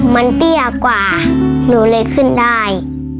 มันเตี้ยกว่าหนูเลยขึ้นได้